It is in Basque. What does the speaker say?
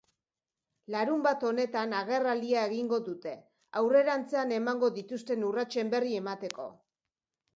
Larunbat honetan agerraldia egingo dute, aurrerantzean emango dituzten urratsen berri emateko.